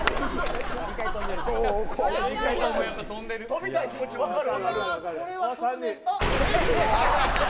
飛びたい気持ち分かる。